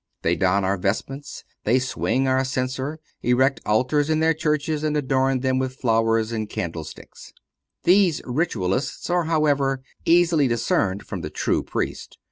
They don our vestments, they swing our censer, erect altars in their churches and adorn them with flowers and candle sticks. These Ritualists are, however, easily discerned from the true Priest.